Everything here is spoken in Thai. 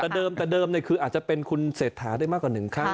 เดิมน่ะคืออาจจะเป็นคุณเศษฐาได้มากกว่า๑ครั้ง